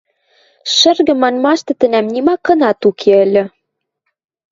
Шӹргӹ манмашты тӹнӓм нима кынат уке ыльы.